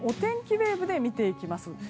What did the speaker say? ウェーブで見ていきます。